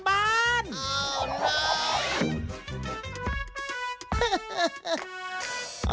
เอาละ